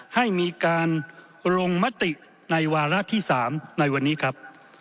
ให้มีการลงมติในวาระที่๓ในวันนี้ครับ